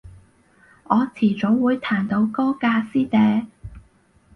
我遲早會彈到歌㗎師姐